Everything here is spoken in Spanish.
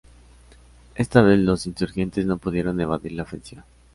Esta vez los insurgentes no pudieron evadir la ofensiva.